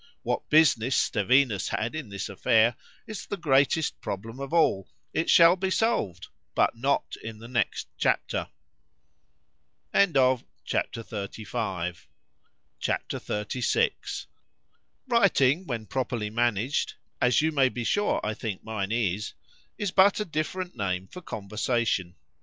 What business Stevinus had in this affair,—is the greatest problem of all:——It shall be solved,—but not in the next chapter. C H A P. XXXVI WRITING, when properly managed (as you may be sure I think mine is) is but a different name for conversation.